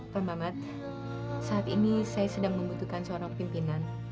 pak mamat saat ini saya sedang membutuhkan seorang pimpinan